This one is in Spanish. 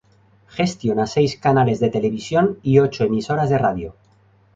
Gestiona seis canales de televisión y ocho emisoras de radio.